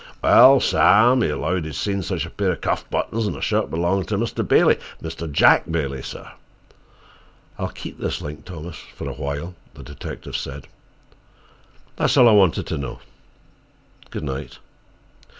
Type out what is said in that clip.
"Wal, Sam, he 'lowed he'd seen such a pair of cuff buttons in a shirt belongin' to Mr. Bailey—Mr. Jack Bailey, sah." "I'll keep this link, Thomas, for a while," the detective said. "That's all I wanted to know. Good night."